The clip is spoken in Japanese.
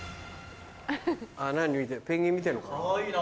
ペンギン見てんのかな。